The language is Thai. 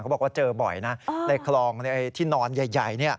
บอกว่าเจอบ่อยนะในคลองในที่นอนใหญ่